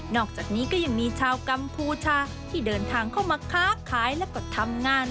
อกจากนี้ก็ยังมีชาวกัมพูชาที่เดินทางเข้ามาค้าขายแล้วก็ทำงาน